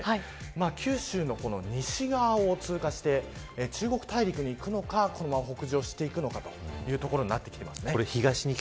九州の西側を通過して中国大陸にいくのかこのまま北上していくかというところ。